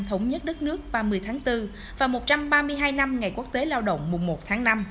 thống nhất đất nước ba mươi tháng bốn và một trăm ba mươi hai năm ngày quốc tế lao động mùa một tháng năm